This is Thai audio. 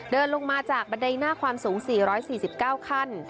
เดินลงมาจากบันไดหน้าความสูง๔๔๙ขั้น